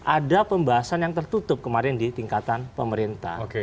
ada pembahasan yang tertutup kemarin di tingkatan pemerintah